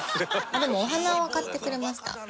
でもお花は買ってくれました。